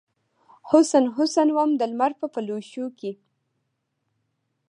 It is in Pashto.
حسن ، حسن وم دلمر په پلوشو کې